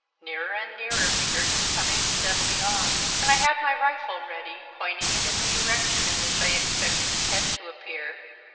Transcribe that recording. Nearer and nearer we heard him coming steadily on, and I had my rifle ready, pointing it in the direction in which I expected his head to appear.